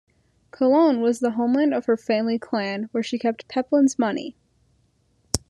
Cologne was the homeland of her family clan and where she kept Pepin's money.